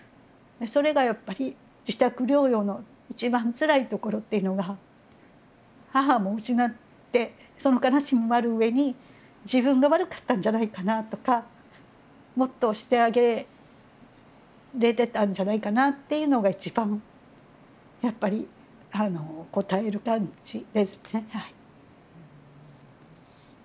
それがやっぱり自宅療養の一番つらいところっていうのが母も失ってその悲しみもあるうえに自分が悪かったんじゃないかなとかもっとしてあげれてたんじゃないかなっていうのが一番やっぱりこたえる感じですねはい。